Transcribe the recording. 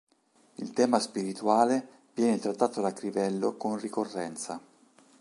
Il tema spirituale viene trattato da Crivello con ricorrenza.